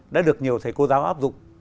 đã được nhiều thầy cô giáo áp dụng